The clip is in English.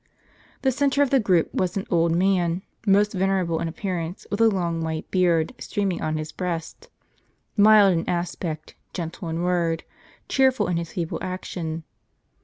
The centre of the group was an old num, most venerable in appearance, with a long white beard streaming on his breast, mild in aspect, gentle in word, cheerful in his feeble action.